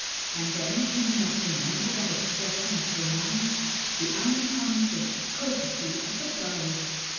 And then, do you not remember that expression of Renan's, "The unconscious coquetry of the flowers"?